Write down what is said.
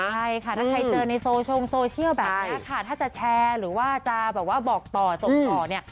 ใช่ค่ะถ้าใครเจอในโซเชียลแบบนี้ค่ะถ้าจะแชร์หรือว่าจะแบบว่าบอกต่อส่งต่อเนี่ย